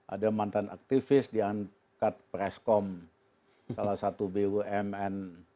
ada mantan aktivis diangkat preskom salah satu bumn